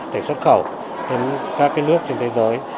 để xuất khẩu đến các nước trên thế giới